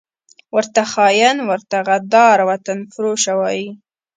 ورته خاین، ورته غدار، وطنفروشه وايي